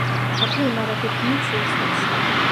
აქვე იმარაგებდნენ სურსათს.